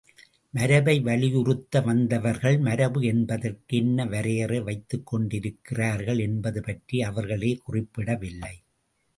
மரபை வலியுறுத்த வந்தவர்கள் மரபு என்பதற்கு என்ன வரையறை வைத்துக்கொண்டிருக்கிறார்கள் என்பது பற்றி அவர்களே குறிப்பிடவில்லை.